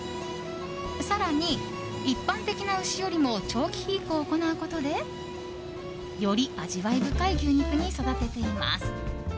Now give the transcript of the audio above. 更に、一般的な牛よりも長期肥育を行うことでより味わい深い牛肉に育てています。